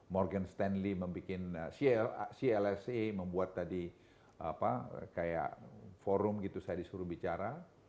morgan stanley membuat clsa membuat tadi kayak forum gitu saya disuruh bicara